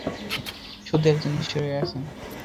শুধু একজন ঈশ্বরই আছেন!